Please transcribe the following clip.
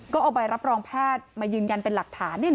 ก็เอาใบรับรองแพทย์มายืนยันเป็นหลักฐาน